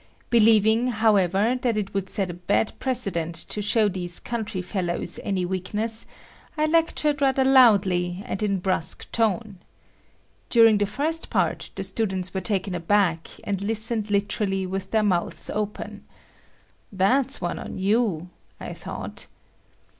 Believing, however, that it would set a bad precedent to show these country fellows any weakness, I lectured rather loudly and in brusque tone. During the first part the students were taken aback and listened literally with their mouths open. "That's one on you!" I thought.